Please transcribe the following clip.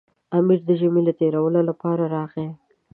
امیر د ژمي له تېرولو لپاره راغی.